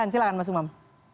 silahkan mas umam